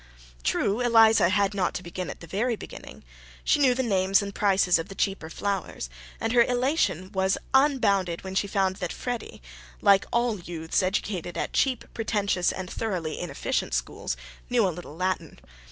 True, Eliza had not to begin at the very beginning: she knew the names and prices of the cheaper flowers; and her elation was unbounded when she found that Freddy, like all youths educated at cheap, pretentious, and thoroughly inefficient schools, knew a little Latin.